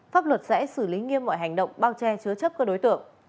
pháp luật sẽ xử lý nghiêm mọi hành động bao che chứa chấp các đối tượng